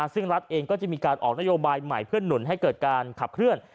ซึ่งรัฐเองก็จะมีการออกนโยบายใหม่เพื่อนหนุนให้เกิดการขับเคลื่อน